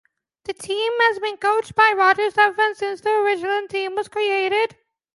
The team has been coached by Roger Stephens since the Richland team was created.